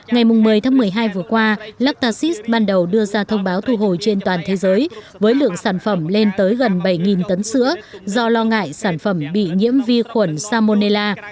ngày một mươi tháng một mươi hai vừa qua latasis ban đầu đưa ra thông báo thu hồi trên toàn thế giới với lượng sản phẩm lên tới gần bảy tấn sữa do lo ngại sản phẩm bị nhiễm vi khuẩn salmonella